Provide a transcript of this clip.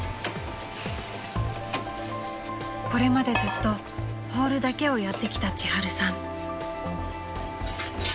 ［これまでずっとホールだけをやってきた千春さん］